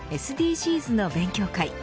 ＳＤＧｓの勉強会。